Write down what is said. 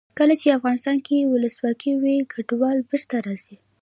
کله چې افغانستان کې ولسواکي وي کډوال بېرته راځي.